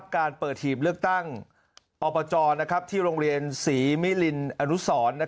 การเปิดหีบเลือกตั้งอบจที่โรงเรียนศรีมิลินอนุสร